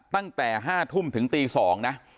ตั้งแต่๕ทุ่มถึงตี๒นะ